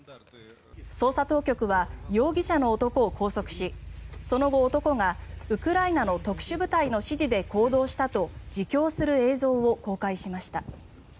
捜査当局は容疑者の男を拘束しその後、男がウクライナの特殊部隊の指示で行動したと自供する映像を公開しました。